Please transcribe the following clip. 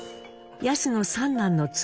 安の三男の妻